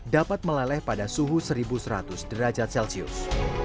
dapat meleleh pada suhu seribu seratus derajat celcius